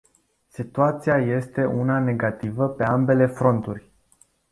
Situația este una negativă pe ambele fronturi.